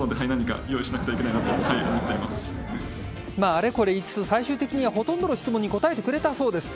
あれこれ言いつつ最終的にはほとんどの質問に答えてくれたそうです。